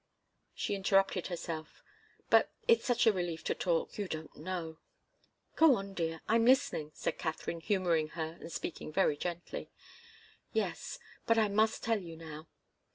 she interrupted herself. "But it's such a relief to talk you don't know!" "Go on, dear I'm listening," said Katharine, humouring her, and speaking very gently. "Yes but I must tell you now."